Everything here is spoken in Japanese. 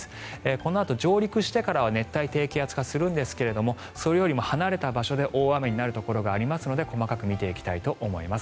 このあと上陸してからは熱帯低気圧化するんですがそれよりも離れた場所で大雨になるところがありますので細かく見ていきたいと思います。